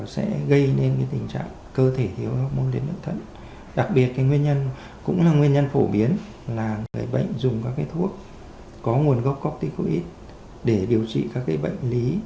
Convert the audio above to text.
sẽ gây nên tình trạng cơ thể thiếu hormone liền lượng thận đặc biệt nguyên nhân cũng là nguyên nhân phổ biến là người bệnh dùng các thuốc có nguồn gốc corticoid để điều trị các bệnh lý